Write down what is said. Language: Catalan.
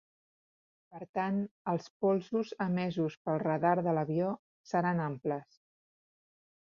Per tant, els polsos emesos pel radar de l'avió seran amples.